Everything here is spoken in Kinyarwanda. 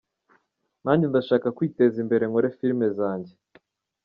Nanjye ndashaka kwiteza imbere nkore film zanjye.